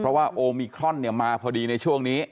เพราะว่าโอมิครอนมาพอดีในช่วงนี้